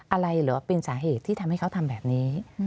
อะไรเหรอเป็นสาเหตุที่ทำให้เขาทำแบบนี้